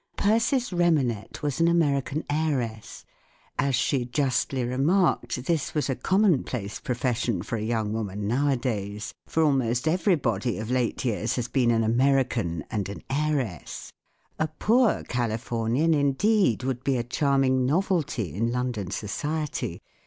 ERSIS REMANET was an American heiress* As she justly remarked, this was a commonplace profession for a young woman nowadays; for almost everybody of late years has been an American and an heiress* A poor Californian, indeed, would be a charm¬ ing novelty in London society.